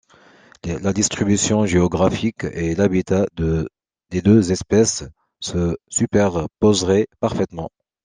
La distribution géographique et l'habitat des deux espèces se superposeraient parfaitement.